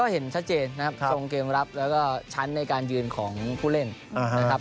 เห็นชัดเจนนะครับทรงเกมรับแล้วก็ชั้นในการยืนของผู้เล่นนะครับ